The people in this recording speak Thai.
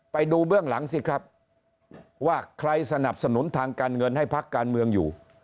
ไปดูเบื้องหลังสิครับว่าใครสนับสนุนทางการเงินให้พักการเมืองอยู่